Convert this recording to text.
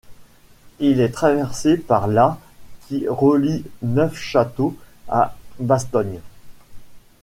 Il est traversé par la qui relie Neufchâteau à Bastogne.